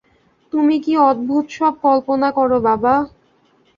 তুমি কী অদ্ভুত সব কল্পনা কর বাবা!